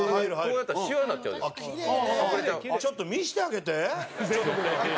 山崎：ちょっと見せてあげて！